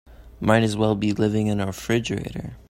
Might as well be living in a refrigerator.